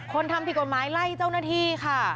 ทำผิดกฎหมายไล่เจ้าหน้าที่ค่ะ